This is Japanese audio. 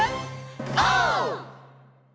オー！